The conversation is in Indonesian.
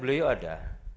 slide beliau ada